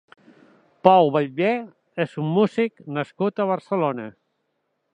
Pau Vallvé és un músic nascut a Barcelona.